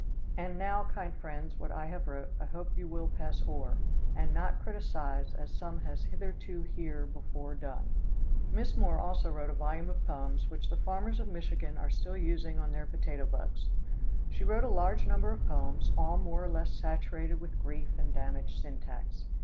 And now, kind friends, what I have wrote, I hope you will pass o'er And not criticise as some has hitherto here before done." Miss Moore also wrote a volume of poems which the farmers of Michigan are still using on their potato bugs. She wrote a large number of poems, all more or less saturated with grief and damaged syntax.